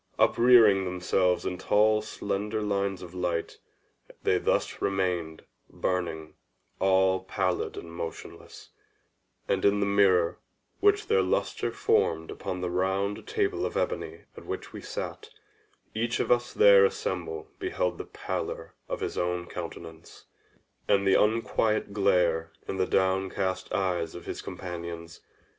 Uprearing themselves in tall slender lines of light, they thus remained burning all pallid and motionless; and in the mirror which their lustre formed upon the round table of ebony at which we sat, each of us there assembled beheld the pallor of his own countenance, and the unquiet glare in the downcast eyes of his companions.